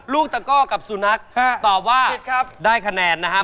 ตะก้อกับสุนัขตอบว่าได้คะแนนนะฮะ